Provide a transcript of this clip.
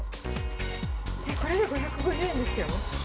これで５５０円ですよ。